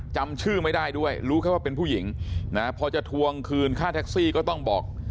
จำชื่อไม่ได้ด้วยรู้แค่ว่าเป็นผู้หญิงนะพอจะทวงคืนค่าแท็กซี่ก็ต้องบอก